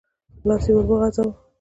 لاس يې ور وغځاوه.